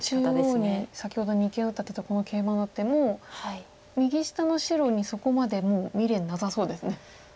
中央に先ほど二間打った手とこのケイマの手も右下の白にそこまでもう未練なさそうですね。